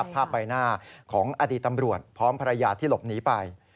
ใบหน้าของอดีตตำรวจพร้อมภรรยาที่หลบหนีไป